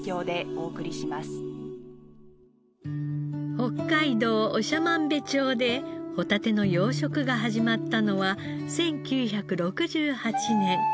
北海道長万部町でホタテの養殖が始まったのは１９６８年。